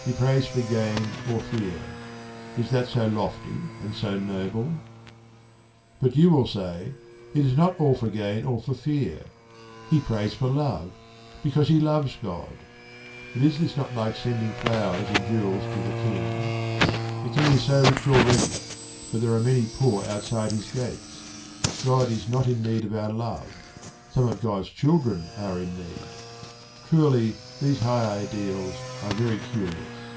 He prays for gain or fear. Is that so lofty and so noble? But you will say: "It is not all for gain or for fear. He prays for love: because he loves God." But is not this like sending flowers and jewels to the king? The king is so rich already: but there are many poor outside his gates. God is not in need of our love: some of God's children are in need. Truly, these high ideals are very curious.